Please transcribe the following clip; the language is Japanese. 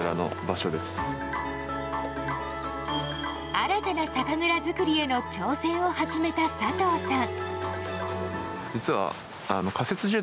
新たな酒蔵造りへの挑戦を始めた佐藤さん。